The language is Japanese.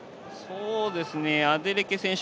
アデレケ選手